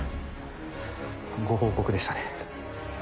ご報告でしたね。